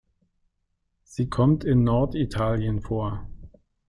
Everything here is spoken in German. Sie kommt in Norditalien vor.